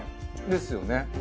ですよね。